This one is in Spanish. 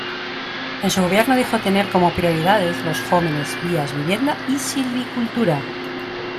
En su gobierno dijo tener como prioridades los jóvenes, vías, vivienda y silvicultura.